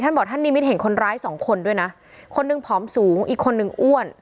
ท่านบอกท่านนิมิตเห็นคนร้ายสองคนด้วยนะคนหนึ่งผอมสูงอีกคนนึงอ้วน